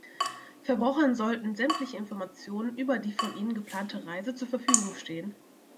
Verbrauchern sollten sämtliche Informationen über die von ihnen geplante Reise zur Verfügung stehen.